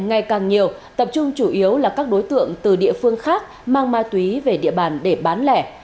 ngày càng nhiều tập trung chủ yếu là các đối tượng từ địa phương khác mang ma túy về địa bàn để bán lẻ